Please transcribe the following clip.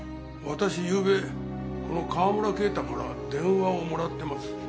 私ゆうべこの川村啓太から電話をもらってます。